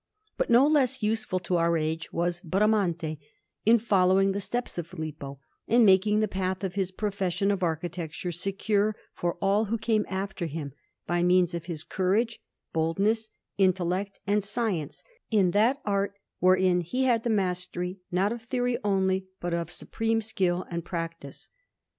But no less useful to our age was Bramante, in following the footsteps of Filippo, and making the path of his profession of architecture secure for all who came after him, by means of his courage, boldness, intellect, and science in that art, wherein he had the mastery not of theory only, but of supreme skill and practice.